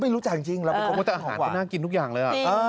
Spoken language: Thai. ไม่รู้จักจริงแต่อาหารที่น่ากินทุกอย่างเลย